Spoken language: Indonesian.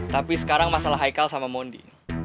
tapi sekarang masalah haikal sama mondi